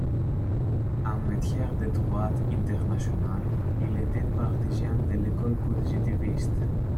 En matière de droit international, il était partisan de l’école positiviste.